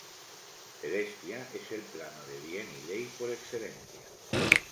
Celestia es el plano de bien y ley por excelencia.